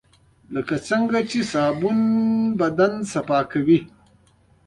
لکه څنګه چې صابون بدن پاکوي .